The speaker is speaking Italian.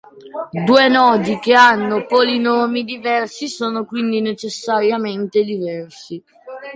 Due nodi che hanno polinomi diversi sono quindi necessariamente diversi.